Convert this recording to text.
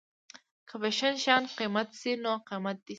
که فیشن شيان قیمته شي نو قیمته دې شي.